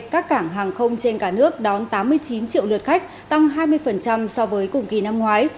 các cảng hàng không trên cả nước đón tám mươi chín triệu lượt khách tăng hai mươi so với cùng kỳ năm ngoái